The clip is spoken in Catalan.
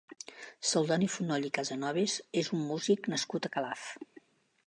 Celdoni Fonoll i Casanoves és un músic nascut a Calaf.